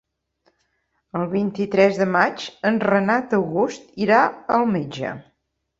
El vint-i-tres de maig en Renat August irà al metge.